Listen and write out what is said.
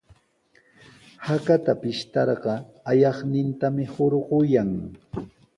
Hakata pishtarqa ayaqnintami hurqayan.